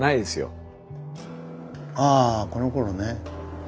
・ああこのころね。